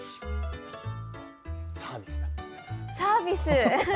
サービス！